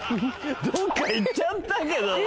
どっか行っちゃったけどな。